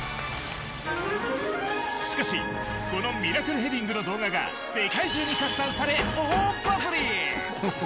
しかしこのミラクルヘディングの動画が世界中に拡散され大バズり。